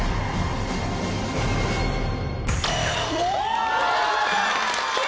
お！